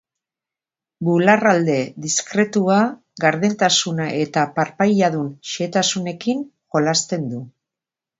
Bularralde diskretua, gardentasuna eta parpailadun xehetasunekin jolasten du.